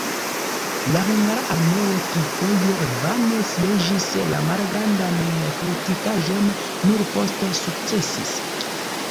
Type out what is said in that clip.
La hungara armeo trifoje vane sieĝis la malgrandan fortikaĵon, nur poste sukcesis.